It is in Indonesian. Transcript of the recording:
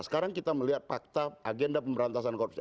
sekarang kita melihat fakta agenda pemberantasan korupsi